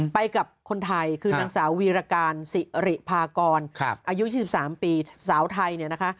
ไปกับคนไทยคือนางสาววีรการสิริพากรอายุ๒๓ปีสาวไทยเนี่ยนะคะ